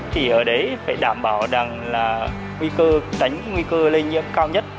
thì ở đấy phải đảm bảo là nguy cơ đánh nguy cơ lây nhiễm cao nhất